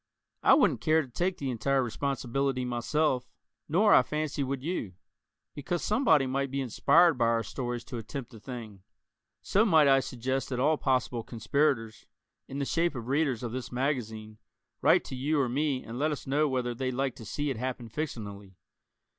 I wouldn't care to take the entire responsibility myself, nor I fancy would you because somebody might be inspired by our stories to attempt the thing so might I suggest that all possible conspirators, in the shape of readers of this magazine, write to you or me and let us know whether they'd like to see it happen fictionally?